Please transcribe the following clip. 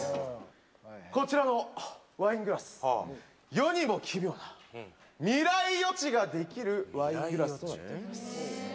こちらのワイングラス、世にも奇妙な未来予知ができるワイングラスとなっています。